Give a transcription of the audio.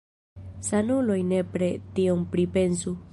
Sanuloj nepre tion pripensu.